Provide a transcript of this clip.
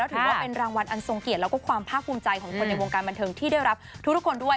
ถือว่าเป็นรางวัลอันทรงเกียรติแล้วก็ความภาคภูมิใจของคนในวงการบันเทิงที่ได้รับทุกคนด้วย